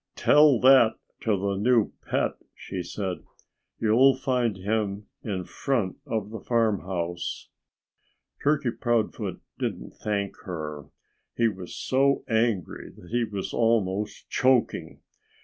"Tell that to the new pet!" she said. "You'll find him in front of the farmhouse." Turkey Proudfoot didn't thank her. He was so angry that he was almost choking.